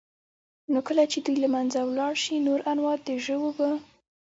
نو كله چي دوى له منځه ولاړ شي نور انواع د ژوو به